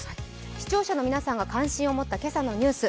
視聴者の皆さんが関心を持ったニュース。